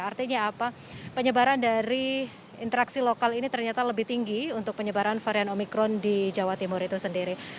artinya apa penyebaran dari interaksi lokal ini ternyata lebih tinggi untuk penyebaran varian omikron di jawa timur itu sendiri